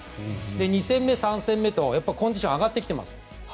２戦目、３戦目とコンディション上がってきてます。